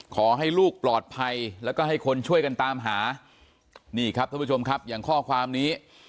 ขอให้ลูกปลอดภัยแล้วก็ให้คนช่วยกันตามหานี่ครับท่านผู้ชมครับอย่างข้อความนี้